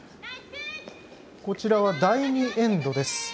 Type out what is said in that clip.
こちらは第２エンドです。